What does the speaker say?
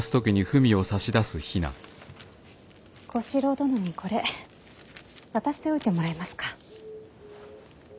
小四郎殿にこれ渡しておいてもらえますか。